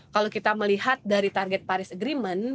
kalau kita melihat dari target paris agreement